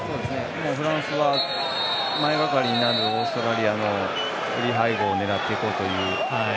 フランスは前がかりになってオーストラリアの背後を狙っていこうという。